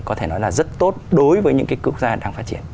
có thể nói là rất tốt đối với những cái quốc gia đang phát triển